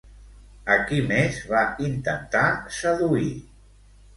A qui més va intentar seduir?